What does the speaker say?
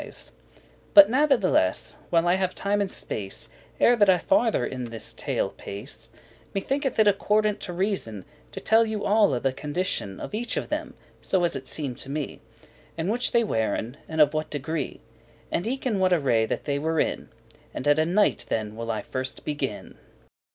*describe, relate But natheless, while I have time and space, Ere that I farther in this tale pace, Me thinketh it accordant to reason, To tell you alle the condition Of each of them, so as it seemed me, And which they weren, and of what degree; And eke in what array that they were in: And at a Knight then will I first begin.